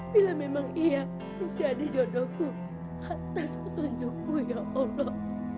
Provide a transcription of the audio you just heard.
bila memang ia menjadi jodohku atas tunjukku ya allah